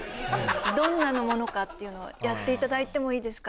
どんなものかっていうのをやっていただいてもいいですか。